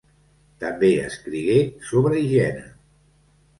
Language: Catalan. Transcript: També escrigué sobre higiene.